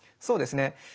そうですね。